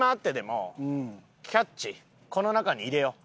この中に入れよう。